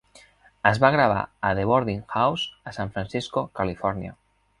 Es va gravar a The Boarding House a San Francisco, Califòrnia.